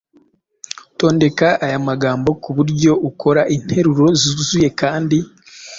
Tondeka aya magambo ku buryo ukora interuro zuzuye kandi